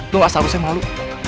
lo gak seharusnya malu